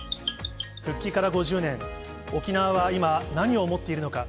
復帰から５０年、沖縄は今、何を思っているのか。